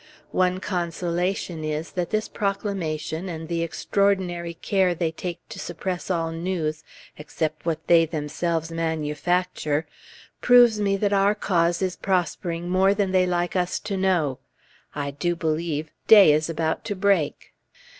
One consolation is, that this proclamation, and the extraordinary care they take to suppress all news except what they themselves manufacture, proves me our cause is prospering more than they like us to know. I do believe day is about to break!